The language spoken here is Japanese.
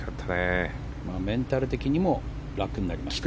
メンタル的にも楽になりました。